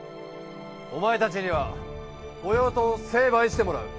お前たちには御用盗を成敗してもらう。